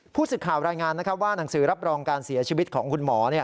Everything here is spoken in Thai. ผู้สื่อข่าวรายงานว่าหนังสือรับรองการเสียชีวิตของคุณหมอ